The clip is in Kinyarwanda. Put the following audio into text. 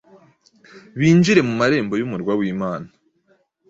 binjire mu marembo y’umurwa w’Imana.